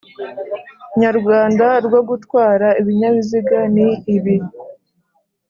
nyarwanda rwo gutwara ikinyabiziga ni ibi